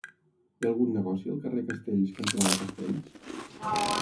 Hi ha algun negoci al carrer Castells cantonada Castells?